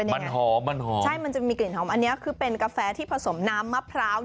มันหอมมันหอมใช่มันจะมีกลิ่นหอมอันนี้คือเป็นกาแฟที่ผสมน้ำมะพร้าว